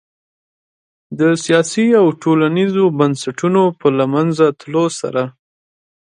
د سیاسي او ټولنیزو بنسټونو په له منځه تلو سره